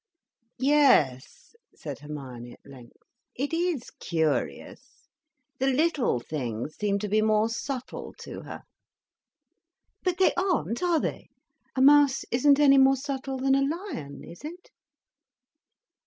"Yes," said Hermione at length. "It is curious. The little things seem to be more subtle to her—" "But they aren't, are they? A mouse isn't any more subtle than a lion, is it?"